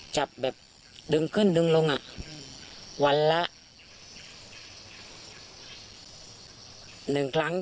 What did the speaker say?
จับแบบดึงขึ้นดึงลงวันละ๑ครั้ง